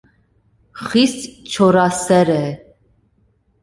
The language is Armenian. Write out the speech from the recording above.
Խիստ չորասեր է։